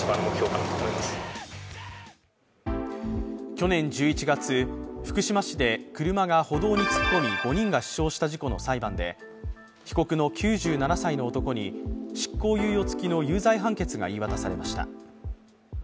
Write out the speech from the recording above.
去年１１月、福島市で車が歩道に突っ込み５人が死傷した事故の裁判で被告の９７歳の男に執行猶予付きの有罪判決が言い渡されました。